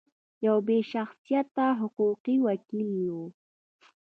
یو بې شخصیته حقوقي وکیل و.